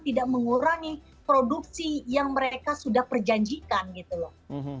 tidak mengurangi produksi yang mereka sudah perjanjikan gitu loh